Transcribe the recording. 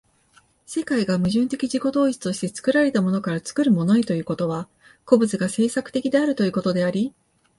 世界が矛盾的自己同一として作られたものから作るものへということは、個物が製作的であるということであり、